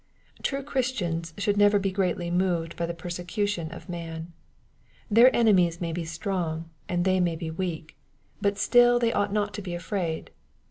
True Christians should never be greatly moved by the persecution of man. Their enemies may be strong, and they may be weak ; but still they ought not to be afraid.